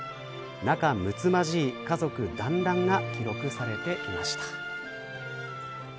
仲むつまじい家族だんらんが記録されていました。